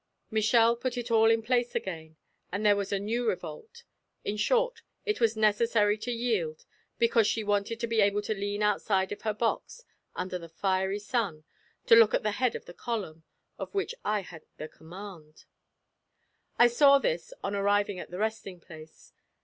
Michel put it all in place again, and there was a new revolt. In short, it was necessary to yield because she wanted to be able to lean outside of her box, under the fiery sun, to look at the head of the column, of which I had the command. I saw this on arriving at the resting place.